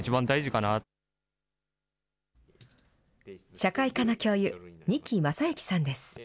社会科の教諭、仁木将之さんです。